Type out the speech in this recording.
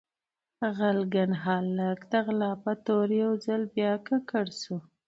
غلګن هالک د غلا په تور يو ځل بيا ککړ سو